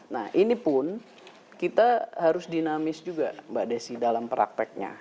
nah ini pun kita harus dinamis juga mbak desi dalam prakteknya